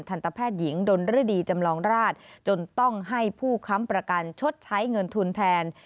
ทันตแพทย์หญิงดนรดีจำลองราชจนต้องให้ผู้ค้ำประกันชดใช้เงินทุนแทน